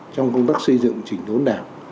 trong công tác xây dựng trình thống đảng